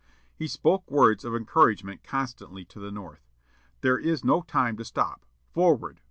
He spoke words of encouragement constantly to the North, "This is no time to stop. FORWARD!